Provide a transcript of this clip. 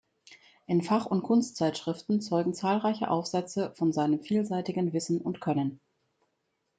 In Fach- und Kunstzeitschriften zeugen zahlreiche Aufsätze von seinem vielseitigen Wissen und Können.